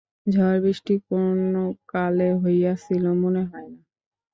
ঝড় বৃষ্টি কোনও কালে হইয়াছিল মনে হয় না।